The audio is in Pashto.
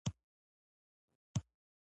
له زیارته کور ته ناوخته راورسېدو.